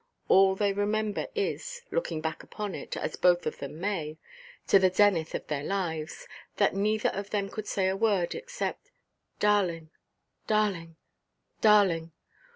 All they remember is—looking back upon it, as both of them may, to the zenith of their lives—that neither of them could say a word except "darling, darling, darling!"